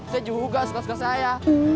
saya juga suka sekas saya